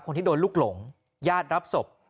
คนที่โดนลูกหลงญาติรับศพ